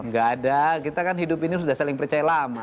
gak ada kita kan hidup ini sudah saling percaya lama